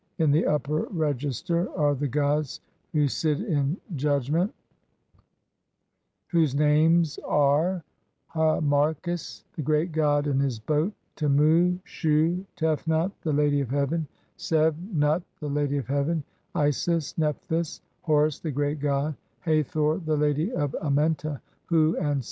In the upper register are the gods who sit in judgment, whose names are "Har machis, the great god in his boat, Temu, Shu, Tefnut the lady of heaven, Seb, Nut the lady of heaven, Isis, Nephthys, Horus the great god, Hathor the lady of Amenta, Hu and Sa".